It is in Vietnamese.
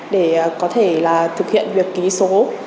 để có thể là thực hiện việc ký số